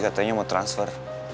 katanya mau transfer